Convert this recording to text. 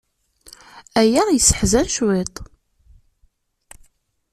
Aya yesseḥzan cwiṭ.